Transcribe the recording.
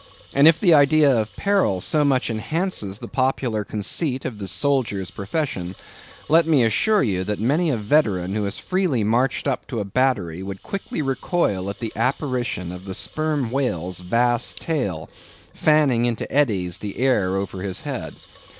And if the idea of peril so much enhances the popular conceit of the soldier's profession; let me assure ye that many a veteran who has freely marched up to a battery, would quickly recoil at the apparition of the sperm whale's vast tail, fanning into eddies the air over his head.